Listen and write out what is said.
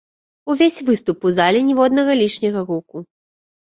Увесь выступ у зале ніводнага лішняга гуку.